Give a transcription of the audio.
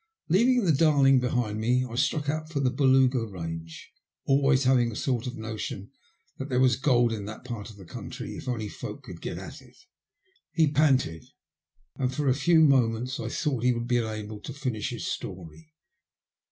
Leaving the Darling behind me I struck out for the Boolga BangCi always having had a sort of notion that there was gold in that part of the country if only folk could get at it.'' He panted, and for a few moments I thought he would be unable to finish his story.